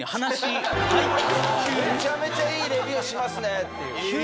めちゃめちゃいいレビューしますねっていう。